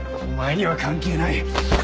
お前には関係ない。